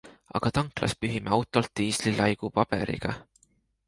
Aga tanklas pühime autolt diisli laigu paberiga.